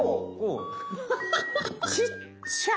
ちっちゃ！